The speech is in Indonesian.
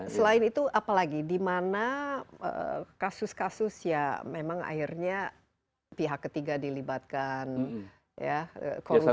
selain itu apalagi dimana kasus kasus ya memang akhirnya pihak ketiga dilibatkan ya korupsi